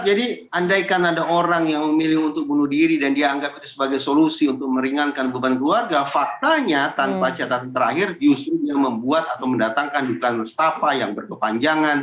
jadi andaikan ada orang yang memilih untuk bunuh diri dan dia anggap itu sebagai solusi untuk meringankan beban keluarga faktanya tanpa catatan terakhir justru dia membuat atau mendatangkan dukungan mustafa yang berkepanjangan